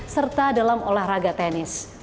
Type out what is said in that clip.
serta dalam olahraga tenis